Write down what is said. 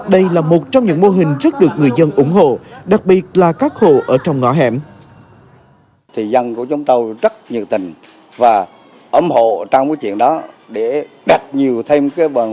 đây là một trong những mô hình rất được người dân ủng hộ đặc biệt là các hộ ở trong ngõ hẻm